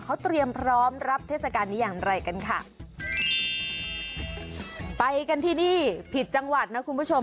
เขาเตรียมพร้อมรับเทศกาลนี้อย่างไรกันค่ะไปกันที่นี่ผิดจังหวัดนะคุณผู้ชม